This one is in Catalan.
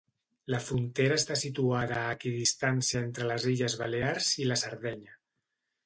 La frontera està situada a equidistància entre les illes Balears i la Sardenya.